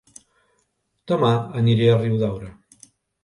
Dema aniré a Riudaura